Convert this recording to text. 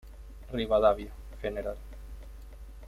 Rivadavia; Gral.